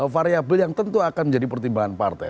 variabel yang tentu akan menjadi pertimbangan partai